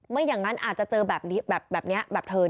ไม่อย่างนั้นอาจจะเจอแบบนี้แบบเธอ